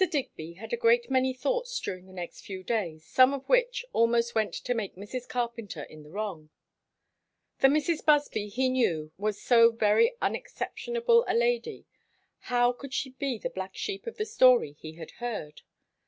Digby had a great many thoughts during the next few days; some of which almost went to make Mrs. Carpenter in the wrong. The Mrs. Busby he knew was so very unexceptionable a lady; how could she be the black sheep of the story he had heard?